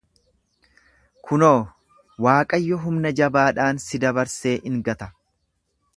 Kunoo, Waaqayyo humna jabaadhaan si dabarsee in gata.